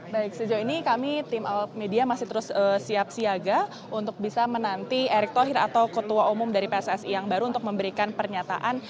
baik sejauh ini kami tim awak media masih terus siap siaga untuk bisa menanti erick thohir atau ketua umum dari pssi yang baru untuk memberikan pernyataan